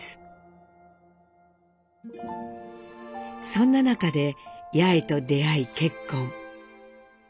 そんな中で八重と出会い結婚。